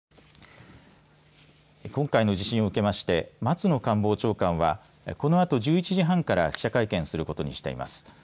今回の地震を受けまして松野官房長官はこのあと１１時半から記者会見することにしています。